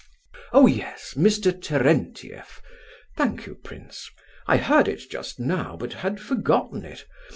"Oh yes, Mr. Terentieff. Thank you prince. I heard it just now, but had forgotten it.